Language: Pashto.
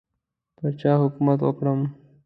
پر چا حکومت وکړم.